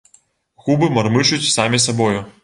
Губы мармычуць самі сабою.